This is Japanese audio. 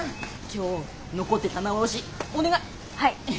今日残って棚卸しお願い！